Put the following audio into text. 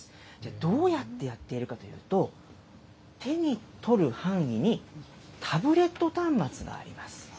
どうやってやっているかというと、手に取る範囲にタブレット端末があります。